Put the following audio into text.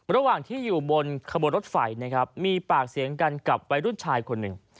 ระหว่างที่อยู่บนขบวนรถไฟนะครับมีปากเสียงกันกับวัยรุ่นชายคนหนึ่ง